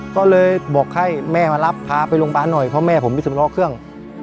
ก็เลยบอกให้แม่มารับพาไปโรงพยาบาลหน่อยเพราะแม่ผมไปสำล้อเครื่อง